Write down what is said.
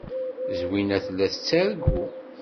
Zwina tella tettargu.